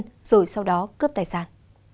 rồi sau đó cướp tài sản